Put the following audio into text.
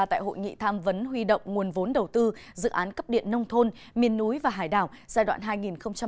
tại hội nghị tham vấn huy động nguồn vốn đầu tư dự án cấp điện nông thôn miền núi và hải đảo giai đoạn hai nghìn một mươi sáu hai nghìn hai mươi